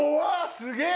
すげえ！